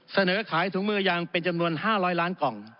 เสนอขายถุงมือยางเป็นจำนวน๕๐๐ล้านกล่อง